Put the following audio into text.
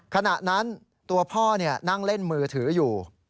ขณะนั้นตัวพ่อนั่งเล่นมือถืออยู่